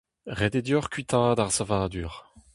Ret eo deoc'h kuitaat ar savadur.